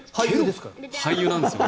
俳優なんですね。